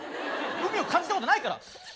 海を感じたことないから。